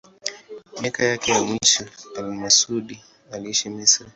Miaka yake ya mwisho al-Masudi aliishi Misri.